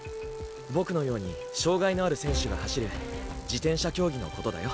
ボクのように障がいのある選手が走る自転車競技のことだよ。